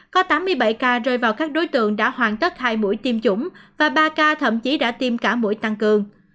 có tám mươi bảy ca rơi vào các đối tượng đã hoàn tất hai mũi tiêm chủng và ba ca thậm chí đã tiêm cả mũi tăng cường